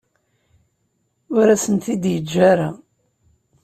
Ur asen-t-id-yeǧǧa ara.